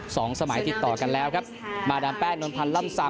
สองสมัยติดต่อกันแล้วครับมาดามแป้งนวลพันธ์ล่ำซาม